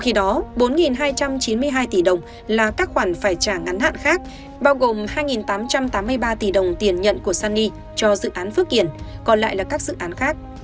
khi đó bốn hai trăm chín mươi hai tỷ đồng là các khoản phải trả ngắn hạn khác bao gồm hai tám trăm tám mươi ba tỷ đồng tiền nhận của sunny cho dự án phước kiển còn lại là các dự án khác